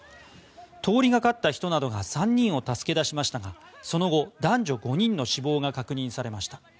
通りがかった人などが３人を助け出しましたがその後、男女５人の死亡が確認されました。